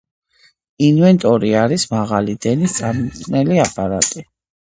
ინვერტორი არის მაღალი დენის წარმომქმნელი აპარატი.